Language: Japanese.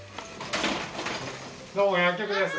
どうも薬局です。